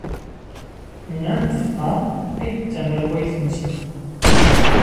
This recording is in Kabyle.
Nnan-d d Ann ay d tamalwayt-nsen.